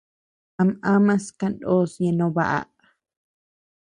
Am amas kanós ñeʼe no baʼa.